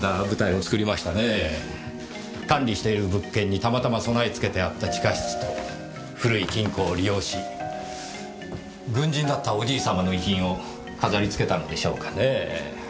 管理している物件にたまたま備え付けてあった地下室と古い金庫を利用し軍人だったおじい様の遺品を飾りつけたんでしょうかねぇ。